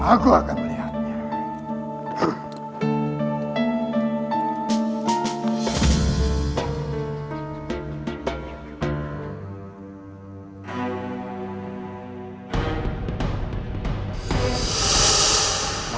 aku akan melihatnya